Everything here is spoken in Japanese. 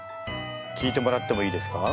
聞いてもらってもいいですか？